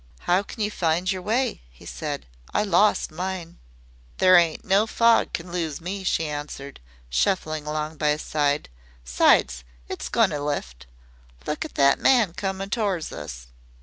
"How can you find your way?" he said. "I lost mine." "There ain't no fog can lose me," she answered, shuffling along by his side; "'sides, it's goin' to lift. Look at that man comin' to'ards us."